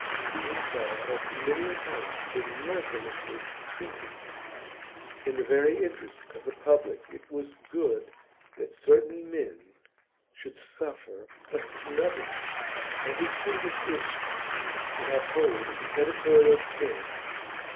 He himself had many a time been mercilessly treated; in the very interest of the public it was good that certain men should suffer a snubbing, and his fingers itched to have hold of the editorial pen.